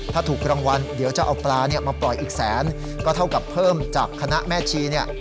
ถ้าถูกรางวัลเดี๋ยวจะเอาปลาเนี่ยมาปล่อยอีกแสนก็เท่ากับเพิ่มจากคณะแม่ชีเนี่ย